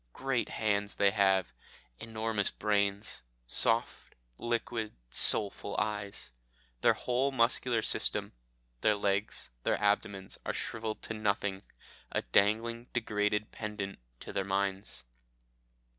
Great hands they have, enormous brains, soft, liquid, soulful eyes. Their whole muscular system, their legs, their abdomens, are shrivelled to nothing, a dangling, degraded pendant to their minds."